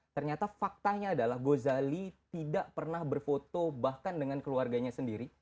ternyata faktanya adalah gozali tidak pernah berfoto bahkan dengan keluarganya sendiri